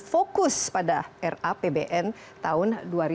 fokus pada rapbn tahun dua ribu lima belas